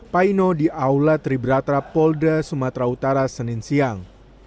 paino di aula triberatra polda sumatera utara senin siang